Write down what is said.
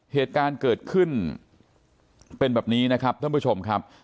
เหตุการณ์เกิดขึ้นเป็นแบบนี้นะครับท่านผู้ชมครับ